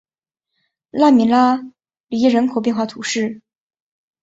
拉米拉里耶人口变化图示